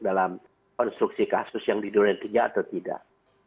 dalam konstruksi kasus yang di durian tiga atau tidak